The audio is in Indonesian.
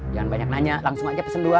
jangan banyak nanya langsung aja pesen dua